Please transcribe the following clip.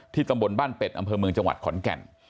ตำบลบ้านเป็ดอำเภอเมืองจังหวัดขอนแก่น